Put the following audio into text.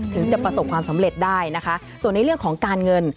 จะประสบความสำเร็จได้นะคะส่วนในเรื่องของการเงิน